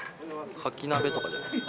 カキ鍋とかじゃないですか。